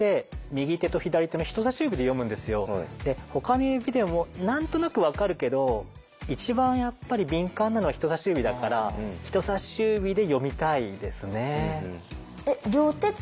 大体点字ってほかの指でも何となく分かるけど一番やっぱり敏感なのは人さし指だから人さし指で読みたいですね。